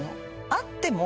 あっても。